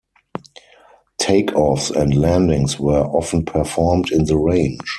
Takeoffs and landings were often performed in the range.